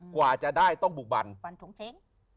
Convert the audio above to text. กว่าจะได้ต้องบุกบันฟันทงเท้ง